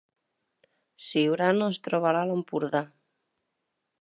Siurana es troba a l’Alt Empordà